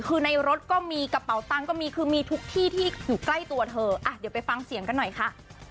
คือในรถก็มีกระเป๋าตังค์ก็มีคือมีทุกที่ที่อยู่ใกล้ตัวเธออ่ะเดี๋ยวไปฟังเสียงกันหน่อยค่ะ